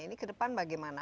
ini kedepan bagaimana